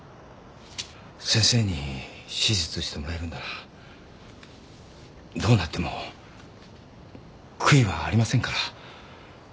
先生に手術してもらえるんならどうなっても悔いはありませんから。